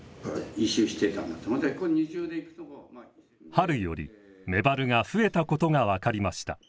春よりメバルが増えたことが分かりました。